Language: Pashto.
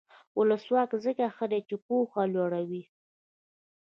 ولسواکي ځکه ښه ده چې پوهه لوړوي.